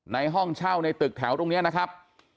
ห้องเช่าในตึกแถวตรงนี้นะครับ